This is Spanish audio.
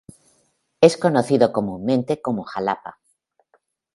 Es conocido comúnmente como jalapa.